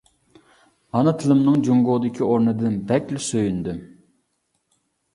ئانا تىلىمنىڭ جۇڭگودىكى ئورنىدىن بەكلا سۆيۈندۈم!